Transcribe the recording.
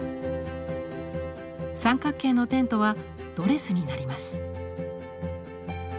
三角形のテントはドレスになります。